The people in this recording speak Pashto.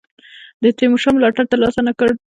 د تیمورشاه ملاتړ تر لاسه نه کړ.